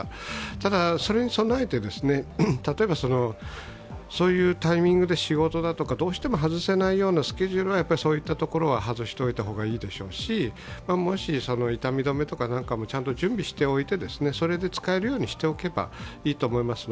ただ、それに備えて、例えばそういうタイミングで仕事だとか、どうしても外せないスケジュールはそういったところは外しておいた方がいいでしょうし、痛み止めとかも準備しておいて、使えるようにしておけばいいと思います。